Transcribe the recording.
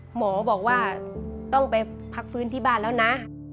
หมอบอกว่าต้องไปพักฟื้นที่บ้านแล้วนะ